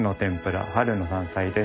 春の山菜です。